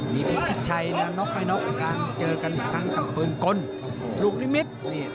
มีพวกชิดชัยน็อคให้น็อคกันเจอกันอีกครั้งกับเปลืองกลลูกลิมิต๑๒๗